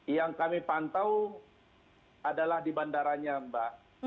yang kami pantau adalah di bandaranya mbak